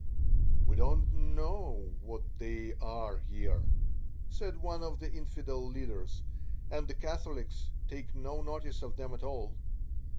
"We don't know that they are here," said one of the infidel leaders, and the Catholics take no notice of them at all.